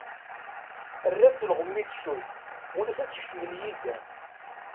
Err-as lɣem i tecuyt mulac ad t-kecmen yizan.